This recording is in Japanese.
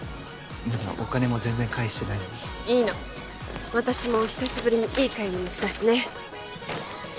まだお金も全然返してないのにいいの私も久しぶりにいい買い物したしね